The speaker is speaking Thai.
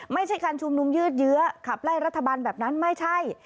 ไม่ใช่การชุมนุมยืดเยื้อขับไล่รัฐบาลแบบนั้นไม่ใช่